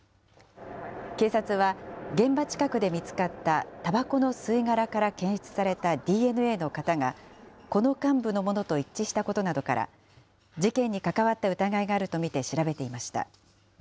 警察は現場近くで見つかったたばこの吸い殻から検出されたＤＮＡの型が、この幹部のものと一致したことなどから、事件に関わった疑いがあると見て調べていました。